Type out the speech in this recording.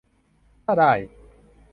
- ถ้าได้